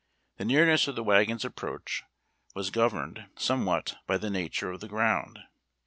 The nearness of the wagon's approach was governed somewhat by the nature of the ground.